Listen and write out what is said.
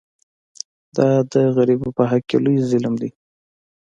دا د غریبو په حق کې لوی ظلم دی.